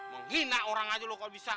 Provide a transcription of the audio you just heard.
menghina orang aja loh kalau bisa